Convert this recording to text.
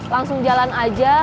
langsung jalan aja